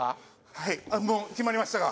はいもう決まりましたか？